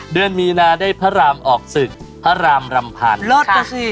เดือนมีนาได้พระรามออกศึกพระรามรำพันธ์